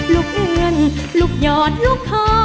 ลูกเหงื่อนลูกหยอดลูกข้อ